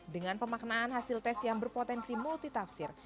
dengan pemaknaan hasil tes yang berpotensi multitafsir